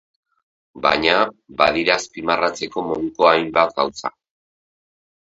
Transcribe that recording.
Baina, badira azpimarratzeko moduko hainbat gauza.